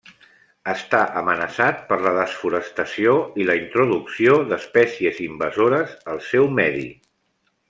Està amenaçat per la desforestació i la introducció d'espècies invasores al seu medi.